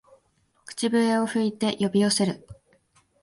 口笛を吹いて呼び寄せる